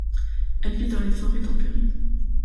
Elle vit dans les forêts tempérées.